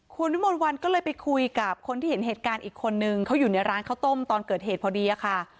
คุณวิมนต์วันก็เลยไปคุยกับคนที่เห็นเหตุการณ์อีกคนนึงเขาอยู่ในร้านข้าวต้มตอนเกิดเหตุพอดีอะค่ะ